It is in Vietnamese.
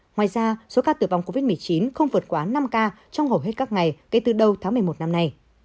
ngoài ra số ca tử vong covid một mươi chín không vượt quá năm ca trong hầu hết các ngày kể từ đầu tháng một mươi một năm nay